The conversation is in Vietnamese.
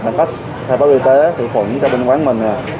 tham khách thay phóng y tế thử khuẩn cho bên quán mình nè